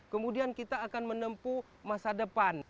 kemudian kita akan menempuh masa depan